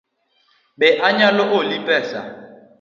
Be anyalo oli pesa?